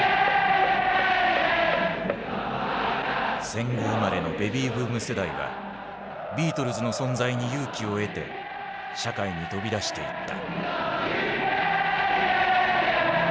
戦後生まれのベビーブーム世代はビートルズの存在に勇気を得て社会に飛び出していった。